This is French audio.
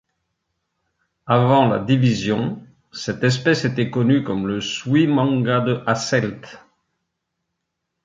Avant la division, cette espèce était connue comme le Souimanga de Hasselt.